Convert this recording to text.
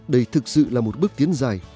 đây thực sự là một bước tiến dài